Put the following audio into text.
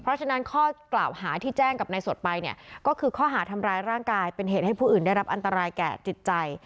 เพราะฉะนั้นข้อกล่าวหาที่แจ้งกับนายสดไปเนี่ยก็คือข้อหาทำร้ายร่างกายเป็นเหตุให้ผู้อื่นได้รับอันตรายแก่จิตใจ